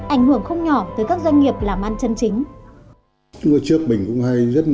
ảnh hưởng không nhỏ tới các doanh nghiệp làm ăn chân chính